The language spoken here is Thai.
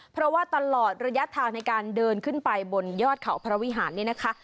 เพราะว่าตลอดระยะทางในการเดินขึ้นไปบนยอดเขาพระวิหารเนี่ยนะคะ